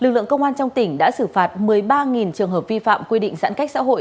lực lượng công an trong tỉnh đã xử phạt một mươi ba trường hợp vi phạm quy định giãn cách xã hội